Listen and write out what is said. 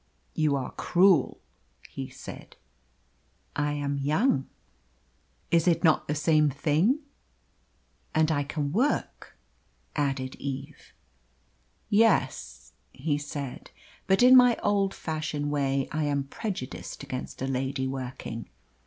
"You are cruel!" he said. "I am young " "Is it not the same thing?" "And I can work," added Eve. "Yes," he said. "But in my old fashioned way I am prejudiced against a lady working.